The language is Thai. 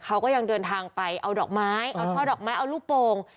เขาก็ยังเดินทางไปเอาดอกไม้เอาช่อดอกไม้เอาลูกโป่ง